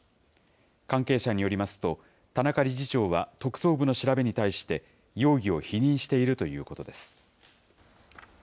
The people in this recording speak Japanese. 関係者によりますと、田中理事長は、特捜部の調べに対して、容疑を否認しているということです。